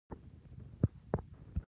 وږی کې حاصلات بازارونو ته وړل کیږي.